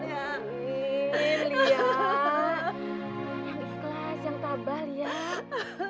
yang ikhlas yang tabah lihat